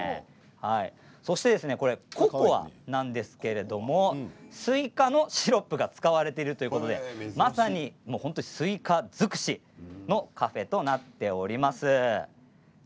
そして、これはココアなんですけれどもスイカのシロップが使われているということでまさにスイカ尽くしのカフェとなっています。